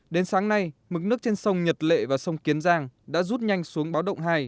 đến sáng nay mực nước trên sông nhật lệ và sông kiến giang đã rút nhanh xuống báo động hai